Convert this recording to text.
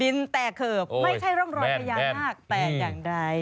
ดินแตกเขิบไม่ใช่ร่องรอยไขยามากแตกอย่างใด